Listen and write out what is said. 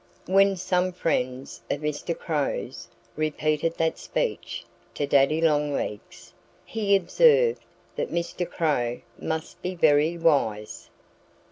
When some friend of Mr. Crow's repeated that speech to Daddy Longlegs, he observed that Mr. Crow must be very wise.